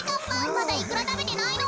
まだイクラたべてないの。